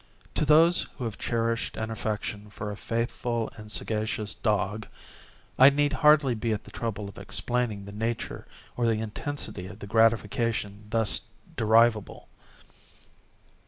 To those who have cherished an affection for a faithful and sagacious dog, I need hardly be at the trouble of explaining the nature or the intensity of the gratification thus derivable.